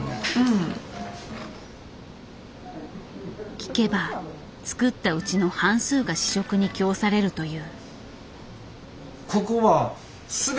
聞けば作ったうちの半数が試食に供されるという。